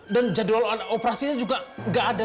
dan jadwal operasinya juga gak ada